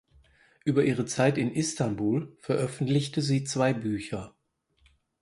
Über ihre Zeit in Istanbul veröffentlichte sie zwei Bücher.